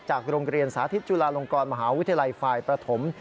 โรงเรียนสาธิตจุฬาลงกรมหาวิทยาลัยฝ่ายประถม